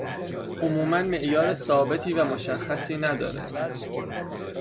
عموما معیار ثابتی و مشخصی نداره